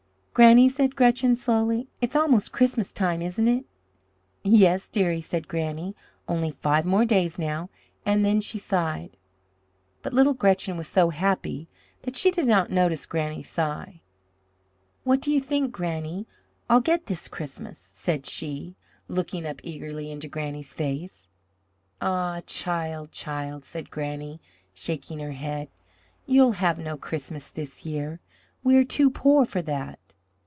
"Granny," said Gretchen slowly, "it's almost Christmas time, isn't it?" "Yes, dearie," said Granny, "only five more days now," and then she sighed, but little Gretchen was so happy that she did not notice Granny's sigh. "What do you think, Granny, I'll get this Christmas?" said she, looking up eagerly into Granny's face. "Ah, child, child," said Granny, shaking her head, "you'll have no Christmas this year. We are too poor for that."